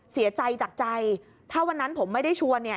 เสียใจจากใจถ้าวันนั้นผมไม่ได้ชวนเนี่ย